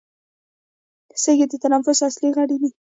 سږي د تنفس اصلي غړي دي